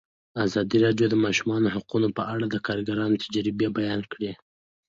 ازادي راډیو د د ماشومانو حقونه په اړه د کارګرانو تجربې بیان کړي.